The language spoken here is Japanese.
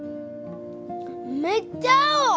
めっちゃ青！